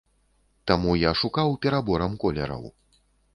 Таму я шукаў пераборам колераў.